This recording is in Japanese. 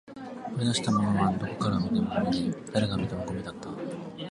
掘り出したものはどこから見てもゴミで、誰が見てもゴミだった